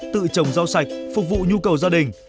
tự trồng rau sạch phục vụ nhu cầu gia đình